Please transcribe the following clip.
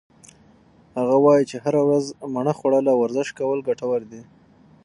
هغه وایي چې هره ورځ مڼه خوړل او ورزش کول ګټور دي.